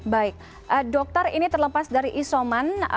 baik dokter ini terlepas dari isoman